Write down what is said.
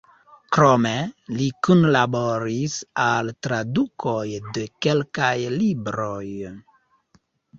Krome li kunlaboris al tradukoj de kelkaj libroj.